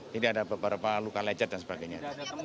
jadi ada beberapa luka lecet dan sebagainya